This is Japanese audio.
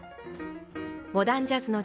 モダンジャズの時代